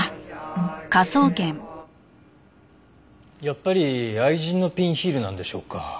やっぱり愛人のピンヒールなんでしょうか？